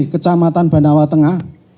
kecamatan banawa tengah